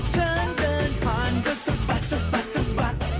เดินผ่านก็สะบัดสะบัดสะบัด